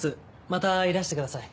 またいらしてください。